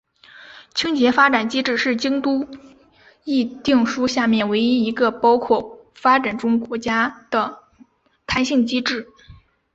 清洁发展机制是京都议定书下面唯一一个包括发展中国家的弹性机制。